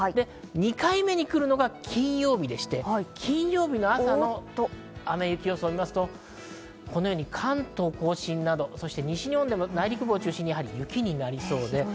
２回目に来るのが金曜日でして、金曜日の朝、雨・雪の予想を見ますと関東甲信など西日本でも内陸部を中心に雪になりそうです。